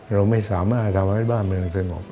เราไม่สามารถทำให้บ้านมันเป็นสงบ